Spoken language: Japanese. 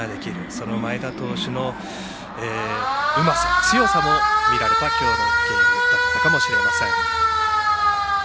その前田投手のうまさ、強さも見られた今日のゲームだったかもしれません。